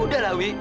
udah lah wi